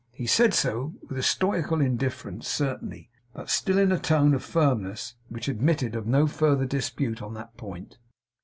He said so with a stoical indifference certainly, but still in a tone of firmness which admitted of no further dispute on that point.